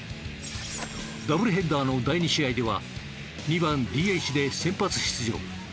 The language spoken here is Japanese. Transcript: ダブルヘッダーの第２試合では２番ＤＨで先発出場。